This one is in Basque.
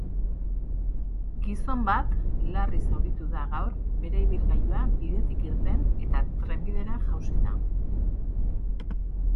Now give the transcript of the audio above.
Gizon bat larri zauritu da gaur bere ibilgailua bidetik irten eta trenbidera jausita.